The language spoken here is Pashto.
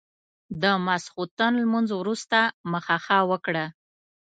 د ماسخوتن لمونځ وروسته مخه ښه وکړه.